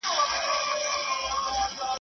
یا بنجاری شه یا ملنګ، د پښتنو د کوڅو.